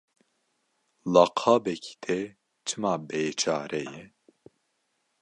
Laqabekî te çima bêçare ye?